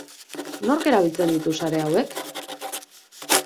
Nork erabiltzen ditu sare hauek?